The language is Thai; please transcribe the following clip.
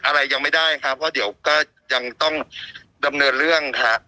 อะไรยังไม่ได้ครับเพราะเดี๋ยวก็ยังต้องดำเนินเรื่องฮะ